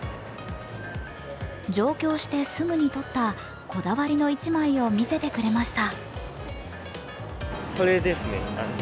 上京してすぐに撮ったこだわりの一枚を見せてくれました。